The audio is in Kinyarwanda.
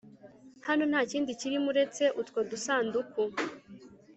hano ntakindi kirimo uretse utwo dusanduku